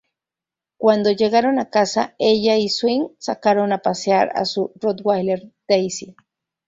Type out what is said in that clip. Cuando llegaron a casa, ella y Swing sacaron a pasear a su Rottweiler, Daisy.